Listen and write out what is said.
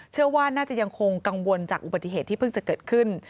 เชื่อว่าน่าจะยังคงกังวลจากอุบัติเหตุที่เพิ่งจะเกิดขึ้น